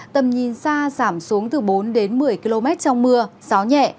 tầm nhìn xa giảm xuống từ bốn đến một mươi km trong mưa gió nhẹ